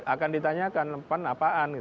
akan ditanyakan pan apaan